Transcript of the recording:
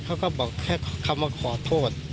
เขาก็บอกแค่คำว่าขอโทษ